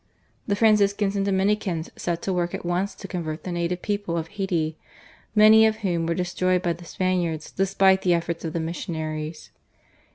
The Franciscans and Dominicans set to work at once to convert the native people of Hayti, many of whom were destroyed by the Spaniards despite the efforts of the missionaries.